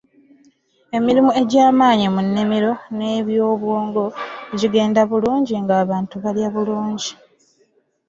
Emirimu egy’amaanyi mu nnimiro n’ebyobwongo gigenda bulungi nga abantu balya bulungi.